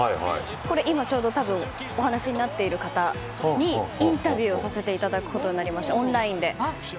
今ちょうどお話になっている方にインタビューをさせていただくことになりましてオンラインで。